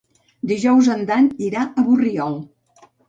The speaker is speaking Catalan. Dijous en Dan irà a Borriol.